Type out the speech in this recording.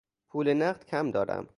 پول نقد کم دارم.